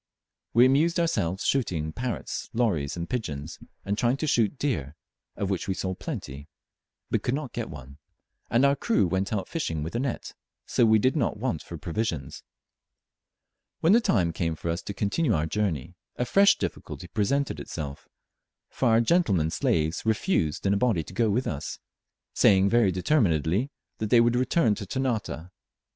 We amused ourselves shooting parrots, lories, and pigeons, and trying to shoot deer, of which we saw plenty, but could not get one; and our crew went out fishing with a net, so we did not want for provisions. When the time came for us to continue our journey, a fresh difficulty presented itself, for our gentlemen slaves refused in a body to go with us; saying very determinedly that they would return to Ternate.